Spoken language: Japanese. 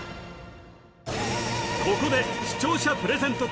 ここで視聴者プレゼント